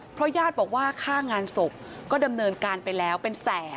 เพราะญาติบอกว่าค่างานศพก็ดำเนินการไปแล้วเป็นแสน